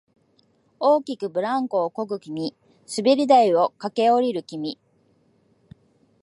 大きくブランコをこぐ君、滑り台を駆け下りる君、